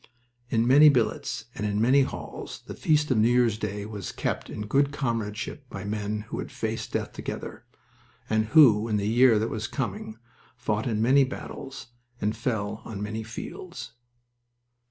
In many billets and in many halls the feast of New Year's day was kept in good comradeship by men who had faced death together, and who in the year that was coming fought in many battles and fell on many fields.